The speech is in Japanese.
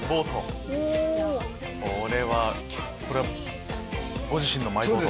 これはこれはご自身のマイボート？